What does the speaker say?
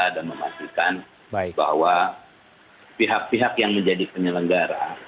dan memastikan bahwa pihak pihak yang menjadi penyelenggara